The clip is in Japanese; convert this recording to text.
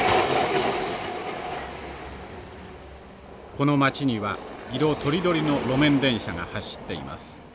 この街には色とりどりの路面電車が走っています。